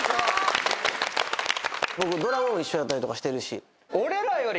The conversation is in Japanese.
僕ドラマも一緒やったりとかしてるし。